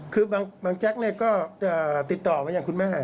คือบางแจ๊กก็จะติดต่อมาอย่างคุณแม่